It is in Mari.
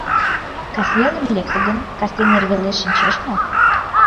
Касвелым лекте гын, кастене эрвелеш шинчеш мо?